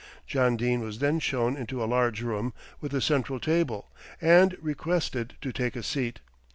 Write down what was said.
John Dene was then shown into a large room with a central table, and requested to take a seat.